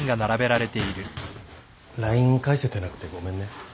ＬＩＮＥ返せてなくてごめんね。